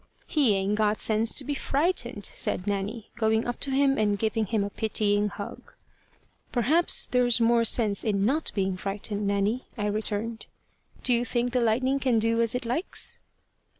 "He ain't got sense to be frightened," said Nanny, going up to him and giving him a pitying hug. "Perhaps there's more sense in not being frightened, Nanny," I returned. "Do you think the lightning can do as it likes?"